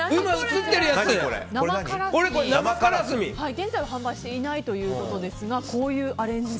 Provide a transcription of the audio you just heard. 現在は販売していないということですがこういうアレンジが。